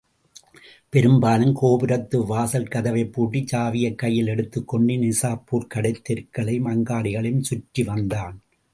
பெரும்பாலும் கோபுரத்து வாசல் கதவைப் பூட்டிச் சாவியைக் கையில் எடுத்துக் கொண்டு நிசாப்பூர்க் கடைத் தெருக்களையும் அங்காடிகளையும் சுற்றிவந்தான்.